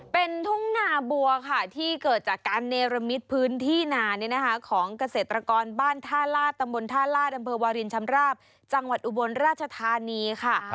เป็นทุ่งนาบัวค่ะที่เกิดจากการเนรมิตพื้นที่นาของเกษตรกรบ้านท่าลาดตำบลท่าลาดอำเภอวารินชำราบจังหวัดอุบลราชธานีค่ะ